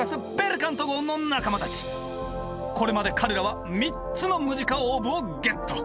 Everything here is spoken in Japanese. これまで彼らは３つのムジカオーブをゲット。